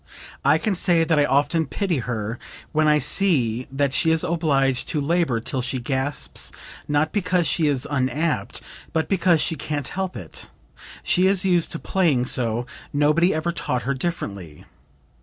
I can say that I often pity her when I see that she is obliged to labor till she gasps, not because she is unapt, but because she can't help it, she is used to playing so, nobody ever taught her differently.